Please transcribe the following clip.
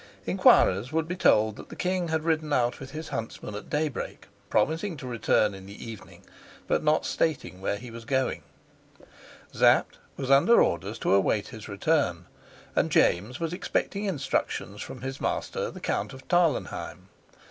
Inquirers would be told that the king had ridden out with his huntsman at daybreak, promising to return in the evening but not stating where he was going; Sapt was under orders to await his return, and James was expecting instructions from his master the Count of Tarlenheim.